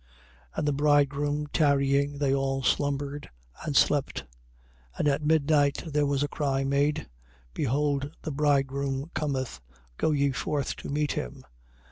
25:5. And the bridegroom tarrying, they all slumbered and slept. 25:6. And at midnight there was a cry made: Behold the bridegroom cometh. Go ye forth to meet him.